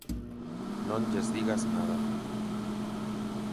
Non lles digas nada.